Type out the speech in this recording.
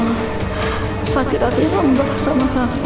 hai sakit hati rambah sama rafaah